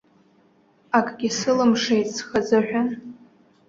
Акгьы сылымшеит схазыҳәан.